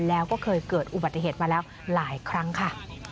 แล้วก็เคยเกิดอุบัติเหตุมาแล้วหลายครั้งค่ะ